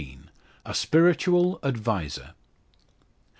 A SPIRITUAL ADVISER.